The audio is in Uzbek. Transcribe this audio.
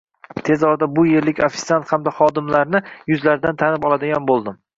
Tez orada shu erlik ofisiant hamda xodimlarni yuzlaridan tanib oladigan bo`ldim